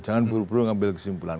jangan buru buru ngambil kesimpulan